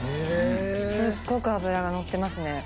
すっごく脂がのってますね。